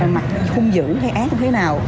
mặt hung dữ hay ác như thế nào